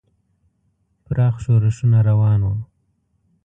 پراخ ښورښونه روان وو.